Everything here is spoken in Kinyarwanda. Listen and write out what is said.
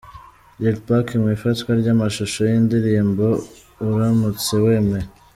Lil Pac mu ifatwa ry'amashusho y'indirimbo 'Uramutse wemeye'.